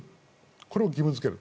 これを義務付ける。